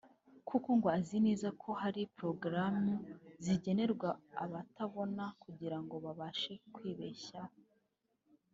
kuko ngo azi neza ko hari porogaramu zigenerwa abatabona kugirango babashe kwibeshaho